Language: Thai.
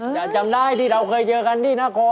จำได้ที่เราเคยเจอกันที่นคร